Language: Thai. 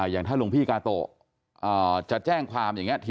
อย่างถ้าหลวงพี่กาโตะจะแจ้งความอย่างนี้